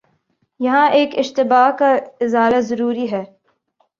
یہاں ایک اشتباہ کا ازالہ ضروری ہے۔